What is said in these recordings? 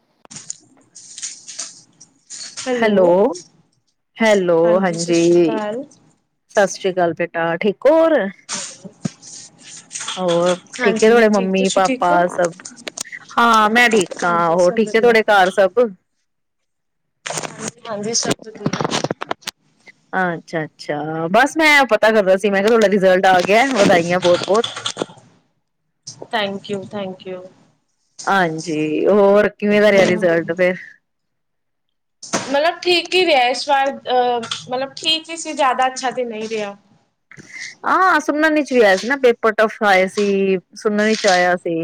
[inaudible] Hello, hello ਸਤਿ ਸ਼੍ਰੀ ਹਾਂਜੀ ਅਕਾਲ। ਸਤਿ ਸ੍ਰੀ ਕਾਲ ਭੈ ਆ ਠੀਕ ਹੋ ਹੋਰ? ਹੋਰ ਠੀਕ ਹੈ। ਹਾਂਜੀ ਮੈਂ ਤੁਵਾਡੇ ਠੀਕ, ਮੰਮੀ ਤੁਸੀਂ ਪਾਪਾ ਠੀਕ ਹੋ? ਸਭ, ਹਾਂ ਮੈਂ ਠੀਕ ਆ ਹਾਂਜੀ ਹੋਰ ਸਭ ਠੀਕ ਐ ਵਧੀਆ। ਤੁਵਾਡੇ ਘਰ ਸਭ। ਹਾਂਜੀ ਸਬ ਵਧੀਆ। ਅੱਛਾ ਅੱਛਾ, ਬਸ ਮੈਂ ਪਤਾ ਕਰਣਾ ਸੀ ਮੈਂ ਕਿਆ ਤੁਵਾਡਾ ਰਿਜਲਟ ਆ ਗਿਐ ਵਧਾਈਆਂ ਬੋਤ ਬੋਤ। Thank you, thank you. ਹਾਂਜੀ। ਹੋਰ ਕਿਵੇਂ ਦਾ ਰਿਹੈ ਰਿਜਲਟ ਫੇਰ? ਮਤਲਬ ਠੀਕ ਹੀ ਰਿਹਾ। ਇਸ ਵਾਰ ਅਹ ਮਤਲਬ ਠੀਕ ਹੀ ਸੀ ਜ਼ਿਆਦਾ ਅੱਛਾ ਤੇ ਨਹੀਂ ਰਿਹਾ [inaudible] ਸੁਨਨ ਚ ਵੀ ਆਇਆ ਸੀ ਨਾ? ਪੇਪਰ ਟਫ ਆਏ ਸੀ, ਸੁਣਨ ਚ ਆਇਆ ਸੀ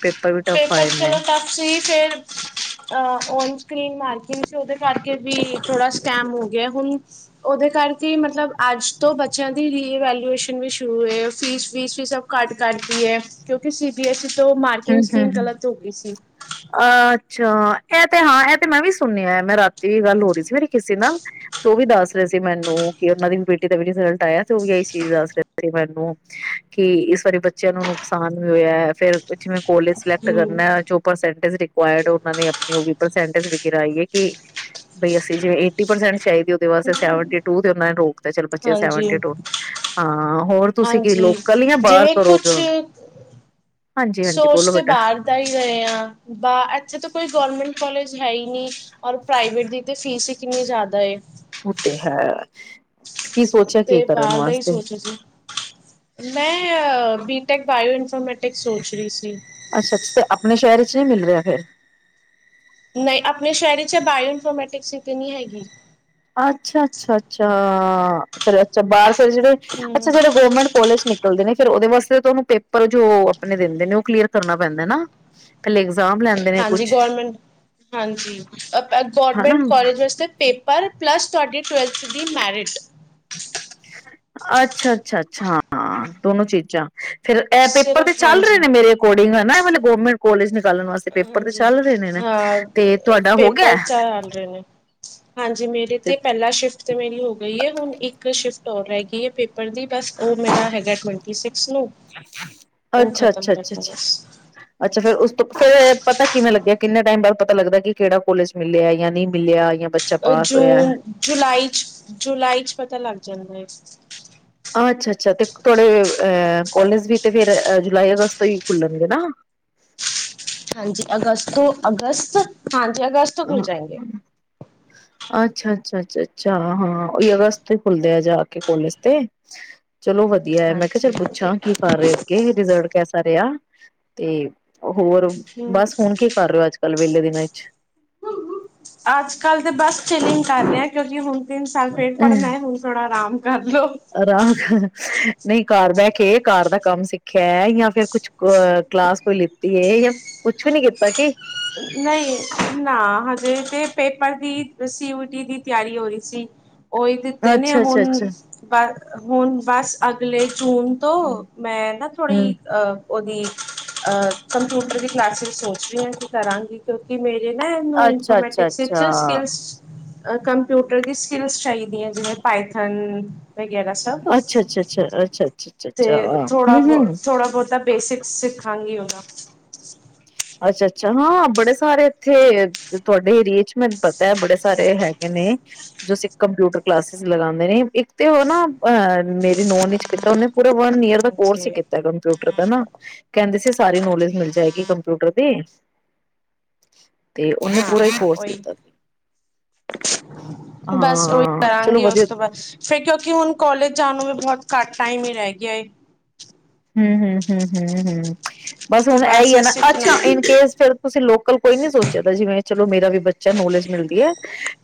ਪੇਪਰ ਵੀ ਟਫ ਪੇਪਰ ਆਏ ਨੇ ਚਲੋ ਟਫ ਸੀ ਫਿਰ ਅ ਉਈ ਕਲੀਨ ਮਾਰਕਿੰਗ ਸੀ, ਉਦੇ ਕਾਰਣ ਕਿ ਵੀ ਥੋੜਾ ਸਕੈਮ ਹੋ ਗਿਆ ਹੁਣ ਉਹਦੇ ਕਰਕੇ ਮਤਲਬ ਅੱਜ ਤੋਂ ਬੱਚਿਆਂ ਦੀ ਰੀਵੈਲੂਏਸ਼ਨ ਵੀ ਸ਼ੁਰੂ ਹੋ ਫੀਸ-ਫੀਸ ਵੀ ਸਭ ਘੱਟ ਕਰਦੀ ਹੈ ਕਿਉਂਕਿ ਸੀ ਬੀ ਐੱਂਸ ਈ ਤੋਂ ਹੂੰ, ਕਿੰਗ ਹੂੰ, ਸੀਨ ਗਲਤ ਹੋ ਗਈ ਸੀ ਚਾ ਇਹ ਤੇ ਹਾਂ ਇਹ ਤੇ ਮੈਂ ਵੀ ਸ ਸੁਣਿਆ ਮੈਂ ਰਾਤੀ ਵੀ ਗੱਲ ਹੋ ਰਹੀ ਸੀ ਮੇਰੀ ਕਿਸੇ ਨਾਲ ਤੇ ਉਹ ਵੀ ਦੱਸ ਰਿਹੇ ਸੀ ਮੈਨੂੰ ਕਿ ਉਹਨਾਂ ਦੀ ਬੇਟੀ ਦਾ ਵੀ ਰਿਜ਼ਲਟ ਆਇਆ ਤੇ ਉਹ ਵੀ ਇਹੀ ਚੀਜ਼ ਦੱਸ ਰਿਹਾ ਸੀ ਮੈਨੂੰ ਕਿ ਇਸ ਵਾਰੀ ਬੱਚਿਆਂ ਨੂੰ ਨੁਕਸਾਨ ਵੀ ਹੋਇਆ ਫਿਰ ਕੁੱਛ ਮੈ ਕੋਲੇਜ ਸਿਲੈਕਟ ਹੂੰ, ਕਰਨਾ ਜੋ ਪਰਸੈਂਟ ਏਸ ਇਟ ਰਿਕਵਾਯਰਡ ਉਹਨਾਂ ਨੇ ਆਪਣੀ ਉਹ ਵੀ ਪਰਸੈਂਟੇਜ ਵਿਕਰ ਆਈ ਹ ਕਿ ਕੋਈ ਅਸੀਂ ਜੇ ਏਟੀ ਪਰਸੈਂਟ ਚਾਹੀਦੀ ਉਹਦੇ ਵਾਸਤੇ ਸੇਵਂਟੀ ਟੂ ਤੇ ਉਹਨਾਂ ਨੇ ਰੋਕ ਚਲ ਬੱਚੇ ਹਾਂਜੀ। ਸੈਵਨਟੀ ਟੂ ਹਾਂ ਹੋਰ ਤੁਸੀਂ ਕੀ ਹਾਂਜੀ, ਲੋਕਲ ਜਾਂ ਬਾਹਰ ਜਿਵੇਂ ਕਰੋਗੇ ਕੁਛ ਹੁਣ ਹਾਂਜੀ ਹਾਂਜੀ ਸੋਚ ਬੋਲੋ ਤੇ ਬੇਟਾ ਬਾਹਰ ਦਾ ਹੀ ਰਹੇ ਆਂ ਬਾ ਇੱਥੇ ਤਾਂ ਕੋਈ ਗੌਰਮੈਂਂਟ ਕੋਲਜ ਹੈ ਹੀ ਨੀ ਔਰ ਪ੍ਰਾਈਵੇਟ ਦੀ ਤੇ ਫੀਸ ਹੀ ਕਿੰਨੀ ਜ਼ਿਆਦਾ ਏ ਉਹ ਤੇ ਹੈ ਕੀ ਸੋਚਿਆ ਕੀ ਤੇ ਕਰਨ ਬਾਹਰ ਦਾ ਹੀ ਵਾਸਤੇ ਸੋਚਿਆ ਸੀ, ਮੈਂ-ਅ-ਅ ਬੀ ਟੇਕ ਬਾਇਓ ਇਨਫੋਰਮੈਟਿਕਸ ਸੋਚ ਰਹੀ ਸੀ ਅੱਛਾ-ਅੱਛਾ ਤੇ ਆਪਣੇ ਸ਼ਹਿਰ ਵਿੱਚ ਨਹੀਂ ਮਿਲ ਰਿਹਾ ਫਿਰ ਨਹੀਂ ਆਪਣੇ ਸ਼ਹਿਰ ਚ ਬਾਇਓ ਇਨਫੋਰਮੈਟਿਕਸ ਨਹੀਂ ਹੈਗੀ ਅੱਛਾ-ਅੱਛਾ-ਅੱਛਾ ਹਾਂ ਫੇਰ ਅੱਛਾ ਬਾਹਰ ਜਿਹੜੇ ਅਛਾ ਹੂੰ, ਜਿਹੜੇ ਗੌਰਮੈਂਟ ਕੋਲਜ ਨੇ ਚਲੋ ਫਿਰ ਉਹਦੇ ਵਾਸਤੇ ਤੁਹਾਨੂੰ ਪੇਪਰ ਜੋ ਆਪਣੇ ਦਿੰਦੇ ਨੇ ਉਹ ਕਲੀਅਰ ਕਰਨਾ ਪੈਂਦਾ ਨਾ ਇਗਜ਼ਾਮ ਲੈਂਦੇ ਨੇ ਹਾਂਜੀ ਕੁਛ ਗੌਰਮੈਂਟ ਹਾਂਜੀ ਅ-ਅ ਹਨਾ ਗੌਰਮੈਂਟ ਕਾਲਜ ਵਾਸਤੇ ਪੇਪਰ ਪਲੱਸ ਤੁਹਾਡੀ ਟਵੈਲਥ ਦੀ ਮੈਰਿਟ ਅੱਛਾ-ਅੱਛਾ-ਅੱਛਾ ਹਾਂ ਦੋਨੋ ਚੀਜ਼ਾਂ ਫਿਰ ਇਹ ਪੇਪਰ ਤੇ ਸਿਰਫ ਚੱਲ ਰਹੇ ਹਾਂਜੀ, ਨੇ ਮੇਰੇ ਅਕੋਰਡਿੰਗ ਮੈ ਹੁਣ ਗੌਰਰਮੈਂਟ ਕੋਲੇਜ ਨੇ ਹਾਂਜੀ ਨਾ ਤੇ ਹਾਂ ਤੁਹਾਡਾ ਹੋ ਗਿਆ ਪੇਪਰ ਚਲ ਰਹੇ ਨੇ ਹਾਂਜੀ ਮੇਰੇ ਤੇ ਪਹਿਲਾ ਸ਼ਿਫਟ ਤੇ ਮੇਰੀ ਹੋ ਗਈ ਹੈ ਹੁਣ ਇੱਕ ਸ਼ਿਫ ਹੋਰ ਰਹਿ ਗ ਹੈ ਪੇਪਰ ਦੀ ਬਸ ਉਹ ਮੇਰਾ ਹੈਗਾ ਟਵੈਂਟੀ ਸਿਕਸ ਨੂੰ ਉਹ ਅੱਛਾ ਅੱਛਾ ਖ਼ਤਮ ਅੱਛਾ ਕਰਨਾ ਅੱਛਾ ਬਸ ਅੱਛਾ ਫੇਰ ਉਸ ਤੋਂ ਫਿਰ ਪਤਾ ਕਿਵੇਂ ਲੱਗਿਆ ਕਿੰਨੇ ਟਾਈਮ ਬਾਅਦ ਪਤਾ ਲੱਗਦਾ ਕਿ ਕਿਹੜਾ ਕੋਲੇਜ ਮਿਲਿਆ ਯਅ ਨਹੀਂ ਮਿਲਿਆ ਯਾ ਜੂਨ ਜੁਲਾਈ ਚ ਜੁਲਾਈ ਚ ਪਤਾ ਲੱਗ ਜਾਂਦਾ ਹੈ ਅੱਛਾ ਅੱਛਾ ਤੇ ਤੁਥਹਾਡੇ ਅ ਕਾਲਜ ਵੀ ਤੇ ਫਿਰ ਜੁਲਾਈ ਅਗਸਤ ਤੋਂ ਹੀ ਖੁੱਲਣਗੇ ਨਾ ਹਾਂਜੀ ਅਗਸਤ ਤੋਂ ਅਗਸਤ ਹਾਂਜੀ ਜਗਜ਼ ਤੋਂ ਮੁਿਲ ਹਾਂ। ਜਾਏ ਗਗੇ ਅੱਛਾ ਅੱਛਾ ਅੱਛਾ ਅੱਛਾ ਹਾਂ ਉਹੀ ਅਗਸਤ ਖੁੱਲਦੇ ਆ ਜਾ ਕੇ ਕੋਲੇਜ ਤੇ ਚਲੋ ਵਧੀਆ ਮੈਂ ਕਿਹਾ ਹਾਂਜੀ ਚੱਲ ਹਾਂਜੀ ਪੁੱਛਾਂ ਕੀ ਕਰ ਰਹੇ ਅੱਗੇ ਰਿਜ਼ਲਟ ਕੈਸਾ ਰਿਹਾ ਤੇ ਹੋਰ ਹਮ ਬਸ ਹੁਣ ਕੀ ਕਰ ਰਹੇ ਹੋ ਅੱਜ ਕੱਲ ਵਿਹਲੇ ਦਿਨਾਂ ਵਿੱਚ ਅੱਜ ਕੱਲ ਤਾਂ ਬਸ ਚਿਲਿੰਗ ਕਰ ਰਹੇ ਹ ਕਿਉਂਕਿ ਹੁਣ ਤੀਨ ਸਾਲ ਫੇਰ ਪੜ੍ਹਨਾ ਹੈ ਹੁਣ ਥੋੜ੍ਹਾ ਆਰਾਮ ਕਰ ਲੋ ਰਾਖ ਨਹੀਂ ਘਰ ਬਹਿ ਕੇ ਘਰ ਦਾ ਕੰਮ ਸਿੱਖਿਆ ਜਾਂ ਫਿਰ ਕੁਛ ਕਲਾਸ ਕੋਈ ਲਿੱਤੀ ਹੈ ਜਾਂ ਕੁਛ ਵੀ ਨੀ ਕੀਤਾ ਕੀ ਨਹੀਂ ਨਾ ਹਜੇ ਤੇ ਪੇਪਰ ਦੀ ਰਸੀ ਉਟੀ ਦੀ ਤਿਆਰੀ ਹੋ ਰਹੀ ਸੀ ਉਹਓ ਦਿੱਤੇ ਅੱਛਾ ਅੱਛਾ ਹੁਣ ਅੱਛਾ ਬ ਹੁਣ ਬਸ ਅਗਲੇ ਜੂਨ ਤੋਂ ਮੈਂ ਨਾ ਹਮ ਥੋੜ੍ਹੀ ਅਹ ਉਹਦੀ ਕੰਪਿਊਟਰ ਦੀ ਕਲਾਸ ਸੋਚ ਰਹੀ ਹਾਂ ਕਿ ਕਰਾਂਗੀ ਕਿਉਂਕਿ ਮੇਰੀ ਨਾ ਇਹਨੂੰ ਅੱਛਾ ਅੱਛਾ ਅੱਛਾ ਇਨਫੋਮੈਟਿਕਚ ਸਕ ਕੰਪਿਊਟਰ ਦੀ ਸਕਿੱਲਸ ਚਾਹੀਦੀਆਂ ਜਿਵੇਂ ਪਾਈਥਨ ਵਗੈਰਾ ਸਭ ਅੱਛਾ ਅੱਛਾ ਅੱਛਾ ਅੱਛਾ ਅੱਛਾ ਅੱਛਾ ਤੇ ਅੱਛਾ ਥੋੜਾ ਹਮ ਬਹੁ ਹਮ ਥੋੜਾ ਬਹੁਤਾ ਬੇਸਿਕਸ ਸਿੱਖਾਂਗੀ ਉਹਨਾਂ ਅੱਛਾ ਅੱਛਾ ਹਾਂ ਬੜੇ ਸਾਰੇ ਇੱਥੇ ਤੁਹਾਡੇ ਏਰੀਏ ਚ ਮੈਨੂੰ ਪਤਾ ਹੈ ਬੜੇ ਸਾਰੇ ਹੈਗੇ ਨੇ ਜੋ ਸਿੱ ਕੰਪਿਊਟਰ ਕਲਾਸਿਸ ਲਗਾਉਂਦੇ ਨੇ ਇੱਕ ਤੇ ਉਹ ਨਾ ਅ ਮੇਰੀ ਨਹ ਚ ਕੀਤਾ ਉਹਨੇ ਪੂਰਾ ਵਨ ਈਅਰ ਕੋਰਸ ਹੀ ਹਾਂਜੀ ਕੀਤਾ ਕੰਪਿ ਪਤਾ ਨਾ ਕਹਿੰਦੇ ਸੀ ਸਾਰੀ ਨੌਲੇਜ ਮਿਲ ਜਾਏਗੀ ਕੰਪਿਊਟਰ ਦੀ ਤੇ ਉਹਨੇ ਹਾਂ ਪੂਰਾ ਹੀ ਹਾਂ ਕੋਰਸ ਉਹੀ ਕੀਤਾ ਬਸ ਉਓਹੀ ਹਾਂ ਚਲੋ ਕਰਾਂਗੀ ਵਧੀਆ ਉਸ ਤੋਂ ਬਾਅਦ ਫਿਰ ਕਿਉਂਕਿ ਹੁਣ ਕੋਲੇਜ ਜਾਣ ਨੂੰ ਵੀ ਬਹੁਤ ਘੱਟ ਟਾਈਮ ਹੀ ਰਹਿ ਗਿਆ ਏ ਹਮ ਹਮ ਹਮ ਹਮ ਹਮ ਬਸ ਤੇ ਹੁਣ ਇਹਹੀ ਹੈ ਨਾ ਸਿੱਖਣਾ ਅੱਛਾ ਏ। ਇਨ ਕੇਸ ਫਿਰ ਤੁਸੀਂ ਲੋਕਲ ਕੋਈ ਨੀ ਸੋਚਿਆ ਦਾ ਜਿਵੇਂ ਮੇਰਾ ਵੀ ਬੱਚਾ ਨੋਲੇਜ ਮਿਲਦੀ ਹੈ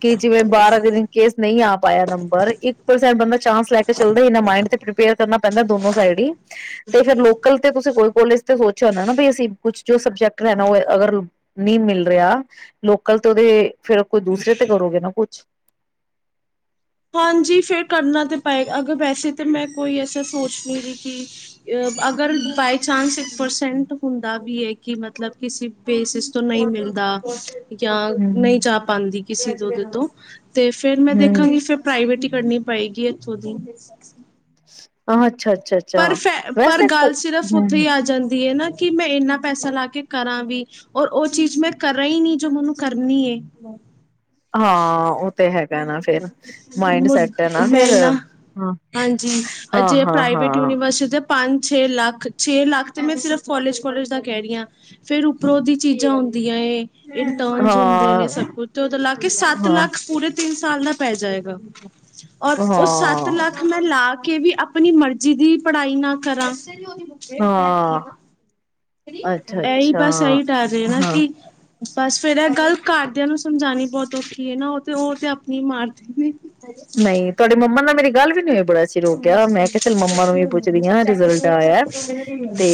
ਕਿ ਜਿਵੇਂ ਬਾਹਰ ਕੇਸ ਨਹੀਂ ਆ ਪਾਇਆ ਨੰਬਰ ਇੱਕ ਪਰਸੈਂਟ ਬੰਦਾ ਚਾਂਸ ਲੈ ਕੇ ਚੱਲਦਾਨਾ ਮਡ ਤੇ ਪ੍ਰੀਪੇਅਰ ਕਰਨਾ ਪੈਂਦਾ ਦੋਨੋ ਸਾਈਡ ਹੀ ਤੇ ਫਿਰ ਲੋਕਲ ਤੇ ਤੁਸੀਂ ਕੋ ਕੋਲਜ ਤੇ ਸੋਚ ਨਾ ਅਸੀਂ ਕੁਛ ਜੋ ਸਬਜੈਕਟ ਨੀ ਮਿਲ ਰਿਹਾ ਲੋਕਲ ਤੇਓਦੇ ਫਰ ਕੋ ਦੂਸਰੇ ਤੇ ਕਰੋਗੇ ਨਾ ਕੁਛ ਹਾਂਜੀ ਫਿਰ ਕਰਨਾ ਤਾਂ ਪਏਗਾ ਅਗਰ ਵੈਸੇ ਤਾਂ ਮੈਂ ਕੋਈ ਐਸਾ ਸੋਚ ਨਹੀਂ ਰਹੀ ਕਿ ਅ ਅਗਰ ਬਾਏ ਚਾਂਸ ਪਰਸੈਂਟ ਹੁੰਦਾ ਵੀ ਹੈ ਕੀ ਮਤਲਬ ਕਿਸੇ ਬੇਸਿਸ ਤੋਂ ਨਹੀਂ ਮਿਲਦਾ ਯਾ ਹੂੰ ਨਹੀਂ ਜਾ ਪਾਂਦੀ ਕਿਸੇ ਦੁੱਧ ਤੋਂ ਤੇ ਫੇਰ ਮੈਂ ਹੂੰ ਦੇਖਾਂਗੀ ਫ ਪ੍ਰਾਈਵੇਟ ਹੀ ਕਰਨੀ ਪਏਗੀ ਇੱਥੋਂ ਦੀ ਅਹ ਅੱਛਾ। ਅੱਛਾ ਪਰ ਅੱਛਾ ਫੈ ਪਰ ਵੈਸੇ ਗੱਲ ਸਿਰਫ਼ ਹੂੰ ਉੱਥੇ ਈ ਆ ਜਾਂਦੀ ਏ ਨਾ ਕਿ ਮੈਂ ਇੰਨਾ ਪੈਸਾ ਲਾ ਕੇ ਕਰਾਂ ਵੀ ਔਰ ਉਹ ਚੀਜ਼ ਮੈਂ ਕਰਾਂ ਈ ਨੀ ਜੋ ਮੈਨੂੰ ਕਰਨੀ ਏ। ਹਾਂ ਉਹ ਤੇ ਹੈਗਾ ਨਾ ਫੇਰ ਮਾਇੰਡ ਸੈਟ ਏ ਨਾ ਫੇਰ ਹਾ, ਹਾਂਜੀ ਹਾਂ, ਅਜੇ ਹਾਂ, ਹਾਂ। ਪ੍ਰਾਈਵੇਟ ਯੂਨੀਵਰਸਿਟੀ ਤੇ ਪੰਜ ਛੇ ਲੱਖ ਛੇ ਲੱਖ ਤੇ ਮੈਂ ਸਿਰਫ਼ ਕੋਲਜ ਕੋਲੇਜ ਦਾ ਕੇਹ ਰੀ ਆ ਫੇਰ ਉੱਪਰੋਂ ਦੀ ਚੀਜ਼ਾਂ ਹੁੰਦੀਆਂ ਏ ਇੰਟਰਨਸ ਹੁੰਦੇ ਨੇ ਹਾਂ ਸਭ ਕੁਛ [unintelligible] ਲਾ ਕੇ ਸੱਤ ਹਾਂ ਲੱਖ ਪੂਰੇ ਤਿੰਨ ਸਾਲ ਦਾ ਪੈ ਜਾਏਗਾ। ਔਰ ਉਹ ਸੱਤ ਹਾਂ ਲੱਖ ਮੈਂ ਲਾ ਕੇ ਵੀ ਆਪਣੀ ਮਰ ਜਿਦੀ ਪੜ੍ਹਾਈ ਨਾ ਕਰਾ। ਹਾਂ ਅੱਛਾ ਏਹੀ ਅੱਛਾ ਬਸ ਏਹੀ ਡਰ ਏ ਨਾ ਹਾਂ ਕਿ ਬਸ ਫੇਰ ਇਹ ਗੱਲ ਘਰਦਿਆਂ ਨੂੰ ਸਮਝਾਨੀ ਬੋਤ ਔਖੀ ਏ ਨਾ, ਉਹ ਤੇ ਉਹ ਤੇ ਆਪਣੀ ਮਾਰਦੇ ਨੇ। ਨਈ ਤੁਹਾਡੀ ਮੰਮਾ ਨਾਲ ਮੇਰੀ ਗੱਲ ਵੀ ਨੀ ਹੋਈ ਬੜਾ ਚਿਰ ਹੋ ਗਿਆ। ਮੈਂ ਕਿਹਾ ਚਲ ਮੰਮਾ ਨੂੰ ਵੀ ਪੁੱਛਦੀ ਆ ਰਿਜਲਟ ਆਇਆ ਤੇ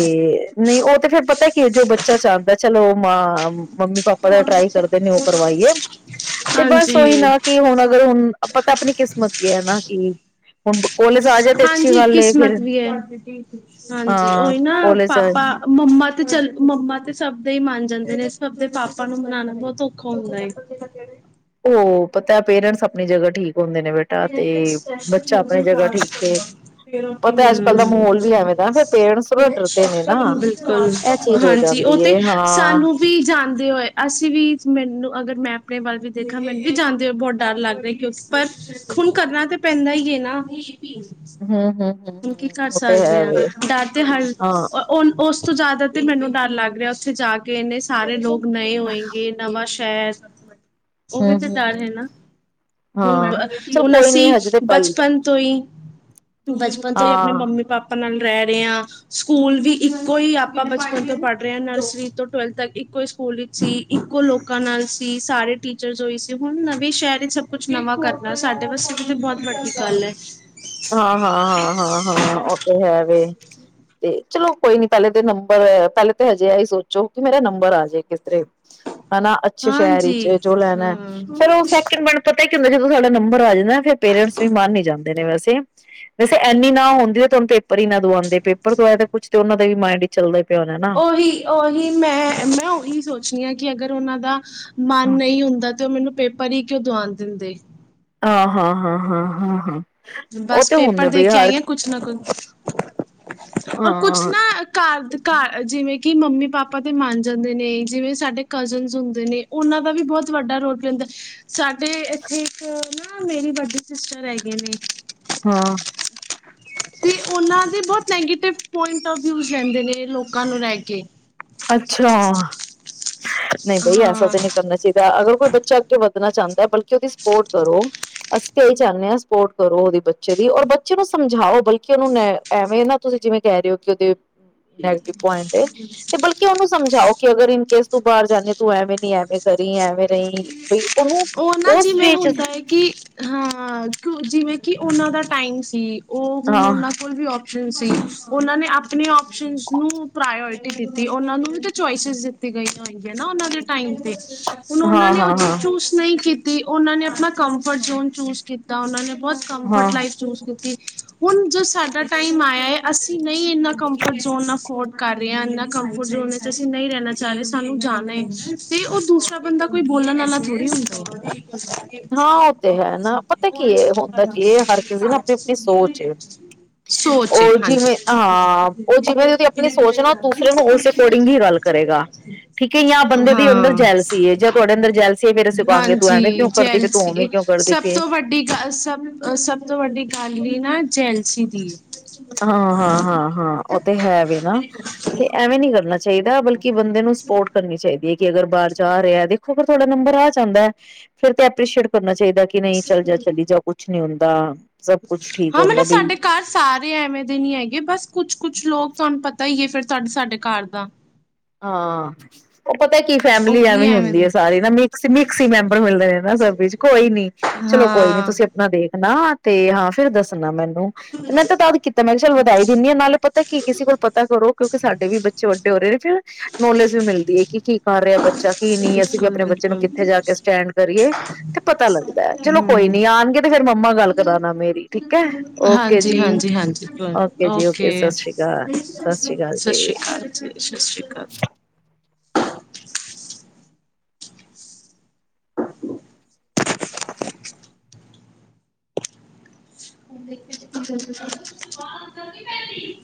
ਨਈ ਉਹ ਤੇ ਫੇਰ ਪਤਾ ਕੀ ਏ ਜੋ ਬੱਚਾ ਚਾਵਦਾਏ ਚਲੋ। ਮਾਂ। ਮੰਮੀ ਪਾਪਾ ਦਾ ਟਰਾਈ ਕਰਦੇ ਨੇ ਉਹ ਕਰਵਾਈਏ ਤੇ ਬਸ ਹਾਂਜੀ ਉਹੀ ਨਾ ਕਿ ਹੁਨ ਅਗਰ ਹੁਨ ਆਪਾਂ ਤਾਂ ਆਪਣੀ ਕਿਸਮਤ ਵੀ ਏ ਨਾ ਕਿ [unintelligible] ਜਾਏ ਤੇ ਅੱਛੀ ਹਾਂਜੀ ਗੱਲ ਏ ਫੇਰ ਕਿਸਮਤ ਵੀ ਏ ਹਾਂਜੀ ਹਾਂ ਉਈ ਨਾ ਕੋਲੇਜ ਪਾਪਾ ਮੰਮਾ ਤੇ ਚਲ ਮੰਮਾ ਤੇ ਸਭ ਦੇ ਈ ਮੰਨ ਜਾਂਦੇ ਨੇ ਸਭ ਦੇ ਪਾਪਾ ਨੂੰ ਮਨਾਨਾ ਬੋਤ ਔਖਾ ਹੁੰਦਾ ਏ। ਉਹ ਪਤਾ ਪੇਰੈਂਟਸ ਆਪਣੀ ਜਗ੍ਹਾ ਠੀਕ ਹੁੰਦੇ ਨੇ [unintelligible] ਬੇਟਾ ਤੇ ਬੱਚਾ ਆਪਣੀ ਜਗ੍ਹਾ ਠੀਕ ਏ ਪਤਾ ਅੱਜ ਕੱਲ੍ਹ ਦਾ ਮਾਹੌਲ ਵੀ ਐਵੇਂ ਦਾ ਫਿਰ ਪੇਰੈਂਟਸ ਥੋੜਾ ਡਰਦੇ ਨੇ ਨਾ ਹੁੰ, ਬਿਲਕੁਲ, ਇਹ ਚੀਜ਼ ਹੋ ਹਾਂਜੀ ਉਹ ਜਾਂਦੀ ਤੇ ਏ ਹਾਂ ਸਾਨੂੰ ਵੀ ਜਾਨ। ਹੋਏ ਅਸੀਂ ਵੀ ਮੈਨੂੰ ਅਗਰ ਮੈਂ ਆਪਣੇ ਵੱਲ ਵੀ ਦੇਖਾਂ ਮੈਨੂੰ ਵੀ ਜਾਂਦੇ ਹੋਏ ਬੋਤ ਡਰ ਲੱਗ ਰਿਹਾ ਕਿਉਂਕਿ ਪਰ ਹੁਨ ਕਰਨਾ ਤੇ ਪੈਂਦਾ ਈ ਨਾ। ਹੂੰ ਹੂੰ ਹੂੰ ਹੁਨ ਕੀ ਹੂੰ ਕਰ ਉਹ ਤੇ ਸਕਦੇ ਹੈ ਆ ਵੇ ਡਰ ਤੇ ਹਰ ਹਾਂ ਅ ਔਨ ਉਸ। ਤੋਂ ਜ਼ਿਆਦਾ ਤੇ ਮੈਨੂੰ ਡਰ ਲੱਗ ਰਿਹਾ ਉੱਥੇ ਜਾ ਕੇ ਇਹਨੇ ਸਾਰੇ ਲੋਕ ਨਏ ਹੋਏਗੇ ਨਵਾਂ ਸ਼ [unintelligible] ਹੁੰ, ਹੁੰ, ਹੁੰ, ਹੁਣ ਹਾਂ ਬ- ਚ ਅਸੀਂ ਬਚਪਨ ਤੋਂ ਈ। ਬਚਪਨ ਤੋਂ ਈ ਆਪਣੇ ਹਾਂ ਮੰਮੀ ਪਾਪਾ ਨਾਲ ਰੇਹ ਰੇ ਆਂ। ਸਕੂਲ ਵੀ ਇੱਕੋ ਈ ਆਪਾਂ ਬਚਪਨ ਤੋਂ ਪੜ੍ਹ ਰੇ ਆਂ ਨਰਸਰੀ ਤੋਂ ਟਵੈਲਥ ਤੱਕ ਇੱਕੋ ਈ ਸਕੂਲ ਵਿੱਚ ਸੀ, ਇੱਕੋ ਲੋਕਾਂ ਨਾਲ ਸੀ, ਸਾਰੇ ਟੀਚਰ ਔਈ ਸੀ, ਹੁਣ ਨਵੇਂ ਸ਼ਹਿਰ ਵਿਚ ਸਭ ਕੁਛ ਨਵਾਂ ਕਰ ਸਾਡੇ, ਪਾਸੇ ਕਿ ਤਾਂ ਬਹੁਤ ਵੱਡੀ ਗੱਲ ਹੈ। [inaudible] ਹਾਂ ਹਾਂ, ਹਾਂ ਹਾਂ ਹਾਂ ਉਹ ਤੇ ਹੈ। ਵੇ ਤੇ ਚਲੋ ਕੋਈ ਨੀ ਪਹਿਲੇ ਤਾਂ ਨੰਬਰ ਪਹਿਲੇ ਤਾਂ ਹਜੇ ਆ ਹੀ ਸੋਚੋ ਕਿ ਮੇਰਾ ਨੰਬਰ ਆ ਜੇ ਕਿਸ ਤਰੇ ਹਨਾ। ਅੱਛੇ ਸ਼ਹਿਰ ਚ ਹਾਂਜੀ ਜੋ ਲੈਣਾ, ਹਾਂ ਫੇਰ ਉਹ ਸੈਕਿੰਡ ਬਣ ਪਤਾ ਕਹਿੰਦੇ, ਜਦੋਂ ਸਾਡਾ ਨੰਬਰ ਆ ਜਾਂਦਾ ਫਿਰ ਪੇਰੈਂਟਸ ਵੀ ਮਨ ਨੀ ਜਾਂਦਾ। [inaudible] ਵੈਸੇ, ਇਨੀ ਨਾ ਹੁੰਦੀ ਤੁਹਾਨੂੰ ਪੇਪਰ ਹੀ ਨਾ ਦਵਾਉਂਦੇ, ਪੇਪਰ ਦਵਾਏ ਤਾਂ ਕੁਛ ਤੇ ਉਹਨਾਂ ਦਾ ਵੀ ਮਾਇੰਡ ਹੀ ਚੱਲਦਾ ਪਿਆ ਹੋਣਾ ਨਾ ਉਹੀ ਉਓਹੀ ਮੈਂ, ਮੈਂ ਉਹੀ ਸੋਚਣੀ ਹਾਂ ਕਿ ਅਗਰ ਉਹਨਾਂ ਦਾ ਮਨ ਨਹੀਂ ਹੁੰਦਾ ਤੇ, ਉਹ ਮੈਨੂੰ ਪੇਪਰ ਪਰੀ ਕਿਉਂ ਦਵਾਉਣ ਦਿੰਦੇ ਆਹ ਹਾਂ ਹਾਂ ਹਾਂ ਹਾਂ ਹਾਂ ਉਹ ਬਸ ਤੇ ਪੇਪਰ ਹੁੰਦਾ ਦੇ ਬਈ ਕੇ ਹਰ ਆਈ ਹਾ। ਕੁਛ ਨਾ ਕੁਛ ਰ ਕੁਛ ਹਾਂ ਨਾ ਘਰ ਘ ਜਿਵੇਂ ਕਿ ਮੰਮੀ ਪਾਪਾ ਤੇ ਮੰਨ ਜਾਂਦੇ ਨੇ, ਜਿਵੇਂ ਸਾਡੇ ਕਜ਼ਨਸ ਹੁੰਦੇ ਨੇ ਉਹਨਾਂ ਦਾ ਵੀ ਬਹੁਤ ਵੱਡਾ ਰੋਲ ਪਲੇਅ ਹੁੰਦਾ। ਸਾਡੇ ਇੱਥੇ ਇੱਕ ਨਾ ਮੇਰੀ ਵੱਡੀ ਸਿਸਟਰ ਹੈਗੇ ਨੇ ਹਾਂ ਤੇ ਉਹਨਾਂ ਦੇ ਬਹੁਤ ਨੈਗੇਟਿਵ ਪੁਇੰਟਫ ਵਿਊ ਰਹਦੇ ਨੇ ਲੋਕਾਂ ਨੂੰ ਲੈਕੇ ਅੱਛਾ। ਨਹੀਂ, ਬਈ ਐਸਾ ਹਾਂ ਤਾਂ ਨ ਨਹੀਂ ਕਰਨਾ ਚਾਹੀਦਾ। ਅਗਰ ਕੋਈ ਬੱਚਾ ਅੱਗੇ ਵਧਣਾ ਚਾਹਂਦਾ ਬਲਕਿ, ਕਿਉਂਕਿ ਸਪੋਰਟ ਕਰੋ ਅਸੀਂ ਤਾਂ ਇਹੀ ਚਾਦੇ ਆ, ਸਪੋਰਟ ਕਰੋ ਉਹਦੀ ਬੱਚੇ ਦੀ ਔਰ ਬੱਚੇ ਨੂੰ ਸਮਝਾਓ ਬਲਕਿ ਉਹਨੂੰ ਐਵੇਂ ਨਾ ਤੁਸੀਂ ਜਿਵੇਂ ਕਹਿ ਰਹੇ ਹੋ ਕਿ ਉਹਦੇ ਨੈਗਟੀਵ ਪੁਇੰਟ ਉਹਨੂੰ ਸਮਝਾਓ ਕਿ, ਅਗਰ ਇਨ ਕੇਸ ਤੂੰ ਬਾਹਰ ਜਾਂਦੀ ਤੂੰ ਐਵੇਂ ਨੀ ਐਵੇਂ ਕਰੀ, ਐਵੇਂ ਨਹੀਂ ਬਈ ਉਹਨੂੰ ਉਹ ਨਾ ਉਸ ਜਿਵੇਂ ਵੇ ਚ ਹੁੰਦਾ ਹੈ। ਕਿ ਹਾਂ ਜਿਵੇਂ ਕਿ ਉਹਨਾਂ ਦਾ ਟਾਈਮ ਸੀ। ਉਹ ਹੁਣ ਹਾਂ ਉਹਨਾਂ ਕੋਲ ਵੀ ਸੀ। ਉਹਨਾਂ ਨੇ ਆਪਣੇ ਆਪਓਸ਼ਨਸ ਨੂੰ ਪ੍ਰਾਇਓਰਿਟੀ ਦਿੱਤੀ। ਉਹਨਾਂ ਨੂੰ ਵੀ ਤਾਂ ਚੋਆਇਸਿਸ ਦਿੱਤੀ ਗਈਆਂ ਹੋਈਗੀਆਂ ਨਾ ਉਹਨਾਂ ਦੇ ਟਾਈਮ 'ਤੇ ਹੁਣ ਉਹਨਾਂ ਹਾਂ ਨੇ ਹਾਂ ਉਹਥ ਹਾਂ ਚੂਸ ਕੀਤੀ, ਉਹਨਾਂ ਨੇ ਆਪਣਾ ਕੰਫਰਟ ਜ਼ੋਨ ਚੂਜ ਕੀਤਾ ਉਹਨਾਂ ਨੇ ਬਹੁਤ ਕੰਫਰ ਹਾਂ ਲਾਈਫ ਚੂਜ਼ ਕੀਤੀ। ਹੁਣ ਜੋ ਸਾਡਾ ਟਾਈਮ ਆਇਆ ਹੈ। ਅਸੀਂ ਨਹੀਂ ਇੰਨਾ ਕੰਫਰਟ ਜ਼ੋਨ ਅਫੋਰਡ ਕਰ ਰਹੇ ਹਾਂ। ਇਨਾਂ ਕੰਫਰਟ ਜੋਨ ਵਿੱਚ ਅਸੀਂ ਨਹੀਂ ਰਹਿਣਾ ਚਾਹ ਰਹੇ। ਸਾਨੂੰ ਜਾਣਾ ਹੈ। ਤੇ ਉਹ ਦੂਸਰਾ ਬੰਦਾ ਕੋਈ ਬੋਲਣ ਵਾਲਾ ਹੈਂਨੀ [unintelligible] ਹਾਂ। ਉਹ ਤੇ ਹੈ, ਨਾ ਪਤਾ ਕੀ ਹੁੰਦਾ ਕੀ ਹਰ ਕਿਸੇ ਦੀ ਨਾ ਆਪਣੀ ਆਪਣੀ ਸੋਚ ਹੈ। ਸੋਚ ਏ ਉਹ ਜਿਵੇਂ ਹਾਂਜੀ ਹਾਂ ਉਹ ਜਿਵੇਂ ਉਹਦੀ ਆਪਣੀ ਸੋਚ ਨਾ ਉਹ ਦੂਸਰੇ ਨੂੰ ਉਸ ਅਕੋਰਡਿੰਗ ਹੀ ਗੱਲ ਕਰੇਗਾ ਠੀਕ ਹੈ, ਜਾਂ ਬੰਦੇ ਦੀ ਅੰਦਰ ਹਾਂ ਜੈਲਸੀ ਜਾਂ ਤੁਹਾਡੇ ਅੰਦਰ ਜੈਲਸੀ ਮੇਰੇ ਪਜ ਤੂੰ ਐਵੇਂ ਹਾਂਜੀ ਜੈਲਸੀ ਸਭ ਪਈ ਏ। ਤੋਂ ਵੱਡੀ ਗੱਲ ਸਭਹ ਸਭ ਤੋਂ ਵੱਡੀ ਗੱਲ ਹੀ ਨਾ ਜੈਲਸੀ ਦੀ ਹਾਂ ਹਾਂ ਹਾਂ ਹਾਂ ਉਹ ਤੇ ਹੈ ਵੀ ਨਾ ਤੇ ਐਵੇਂ ਨੀ ਕਰਨਾ ਚਾਹੀਦਾ। ਚਾਹੀਦਾ ਬਲਕਿ ਬੰਦੇ ਨੂੰ ਸਪੋਰਟ ਕਰਨੀ ਚਾਹੀਦੀ ਹੈ। ਅਗਰ ਬਾਹਰ ਜਾ ਰਿਹਾ ਦੇਖੋ ਅਗਰ ਤੁਹਾਡਾ ਨੰਬਰ ਆ ਜਾਂਦਾ ਫਰ ਤੇ ਐਪ੍ਰਰੀਸ਼ੀਏਟ ਕਰਨਾ ਚਾਹੀਦਾ। ਚਾਹੀਦਾ ਕਿ ਨਹੀਂ ਚੱਲ ਜਾ ਚੱਲ ਜਾ ਕੁਛ ਨਹੀਂ ਹੁੰਦਾ। ਤਾਂ ਹਾਂ ਮਤਲਬ ਸਾਡੇ ਘਰ ਸਾਰੇ ਐਵੇਂ ਨੀ ਹੈਗੇ ਬਸ ਕੁੱਛ ਕੁਛ ਲੋਕ ਤੁਹਾਨੂੰ ਪਤਾ ਹੀਏ ਫਿਰ ਤੁਹਾਡੇ ਸਾਡੇ ਘਰ ਦਾ ਹਾਂ ਪਤਾ ਕੀ ਫੈਮਿਲੀ ਉਹੀ ਐਵੇਂ ਹੁੰਦੀ ਹੈ, ਦੇ ਸਾਰੀ ਨਾ ਮਿਕ ਮਿਕਸ ਹੀ ਮੈਂਬਰ ਮਿਲਦੇ ਨੇ ਨਾ ਸਭ ਵਿੱਚ ਕੋਈ ਨੀ ਚਲੋ ਕੋਈ ਨੀ ਹਾਂ ਤੁਸੀਂ ਆਪਣਾ ਦੇਖ ਨਾ ਤੇ ਹਾਂ ਫੇਿਰ ਦੱਸਣਾ ਮੈਨੂੰ ਤੇ ਮੈਂ ਤਾਂ ਤਦ ਕੀਤਾ ਮੈਂ ਕਿਹਾ ਚੱਲ ਵਧਾਈ ਦਿੰਦੀ ਹਾਂ। ਨਾਲੇ ਪਤਾ ਕੀ ਕਿਸੇ ਕੋਲ ਪਤਾ ਕਰੋ ਕਿਉਂਕਿ ਸਾਡੇ ਬੱਚੇ ਵੱਡੇ ਹੋ ਰਹੇ ਨੌਲੇਜ ਮਿਲਦੀ ਹੈ ਕਿ ਕੀ ਕਰ ਰਿਹਾ ਬੱਚਾ ਾ ਕੀ ਨੀ ਅਸੀਂ ਵੀ ਬਿਲਕੁਲ ਆਪਣੇ ਬੱਚੇ ਨੂੰ ਬਿਲਕੁਲ ਕਿੱਥੇ ਜਾ ਕੇ ਸਟੈਂਡ ਕਰੀਏ ਤੇ ਪਤਾ ਲੱਗਦਾ ਚਲੋ ਕੋਈ ਹਮ ਨੀ ਆਉਣਗੇ ਤੇ ਫੇਿਰ ਮੰਮਾ ਗੱਲ ਕਰਾਣਾ ਮੇਰੀ ਠੀਕ ਹੈ ਓਕੇ ਹਾਂਜੀ ਜੀ ਹਾਂਜੀ ਹਾਂਜੀ ਜੀ ਓਕੇ ਸਤਿ ਸ੍ਰੀ ਅਕਾਲ ਸ੍ਰੀ ਅਕਾਲ ਸਤਿ ਜੀ ਸ੍ਰੀ ਅਕਾਲ ਜੀ। [unintelligible] [unintelligible]